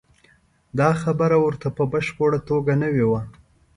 دا خبره ورته په بشپړه توګه نوې وه.